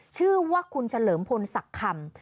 ชื่อว่าคุณเฉลิมพลศักดิ์คำ